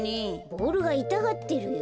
ボールがいたがってるよ。